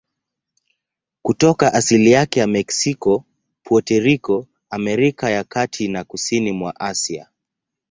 Kutoka asili yake ya Meksiko, Puerto Rico, Amerika ya Kati na kusini mwa Asia.